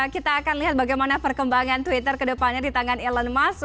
kita akan lihat bagaimana perkembangan twitter ke depannya di tangan elon musk